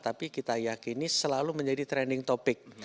tapi kita yakini selalu menjadi trending topic